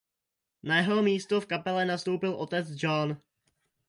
Na jeho místo v kapele nastoupil otec John.